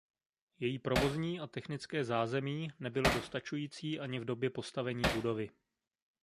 Její provozní a technické zázemí nebylo dostačující ani v době postavení budovy.